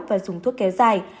và dùng thuốc kéo dài